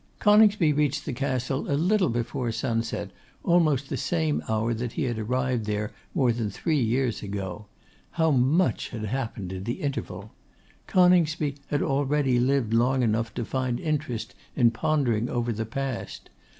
Coningsby reached the castle a little before sunset, almost the same hour that he had arrived there more than three years ago. How much had happened in the interval! Coningsby had already lived long enough to find interest in pondering over the past.